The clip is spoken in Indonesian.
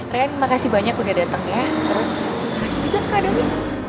ren makasih banyak udah dateng ya terus makasih juga kak dong ya